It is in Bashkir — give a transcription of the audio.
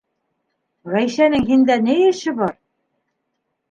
Ғәйшәнең һиндә ни эше бар?